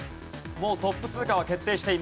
もうトップ通過は決定しています。